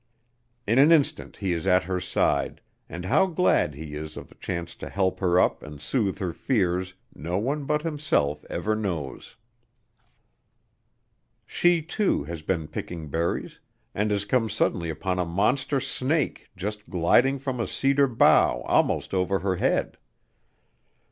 In an instant he is at her side, and how glad he is of the chance to help her up and soothe her fears no one but himself ever knows. She, too, has been picking berries, and has come suddenly upon a monster snake just gliding from a cedar bough almost over her head.